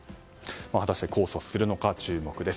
果たして控訴するのか注目です。